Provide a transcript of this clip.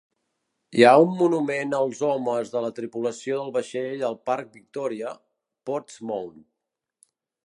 Hi ha un monument als homes de la tripulació del vaixell al parc Victoria, Portsmouth.